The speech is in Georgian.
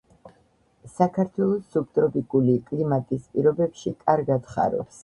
საქართველოს სუბტროპიკული კლიმატის პირობებში კარგად ხარობს.